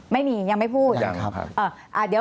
ไม่มียังไม่พูด